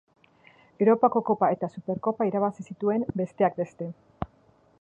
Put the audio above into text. Europako Kopa eta Superkopa irabazi zituen besteak beste.